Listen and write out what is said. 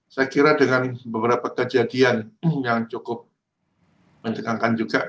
saya kira dengan beberapa kejadian yang cukup mencegangkan juga